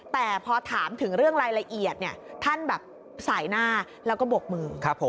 แต่พอถามถึงเรื่องรายละเอียดท่านแบบสายหน้าแล้วก็บกมือ